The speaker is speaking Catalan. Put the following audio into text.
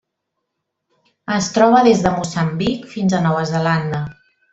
Es troba des de Moçambic fins a Nova Zelanda.